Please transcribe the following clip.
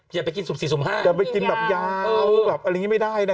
อยากไปกินสม๔๕กินยาวอะไรไม่ได้นะครับ